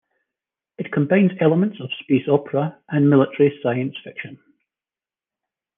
It combines elements of space opera and military science fiction.